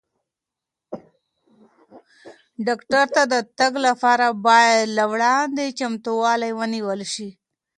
ډاکټر ته د تګ لپاره باید له وړاندې چمتووالی ونیول شي.